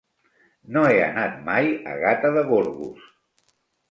No he anat mai a Gata de Gorgos.